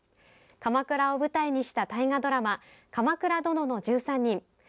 鎌倉を舞台にした大河ドラマ「鎌倉殿の１３人」。